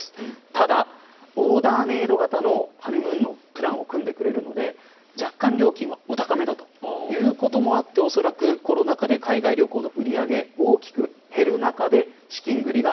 ただオーダーメイド型のハネムーンのプランを組んでくれるので若干料金はお高めだということもあっておそらくコロナ禍で海外旅行の売り上げが大きく減る中で資金繰りが